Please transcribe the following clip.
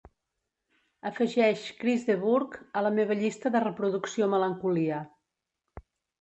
afegeix Chris de Burgh a la meva llista de reproducció melancolia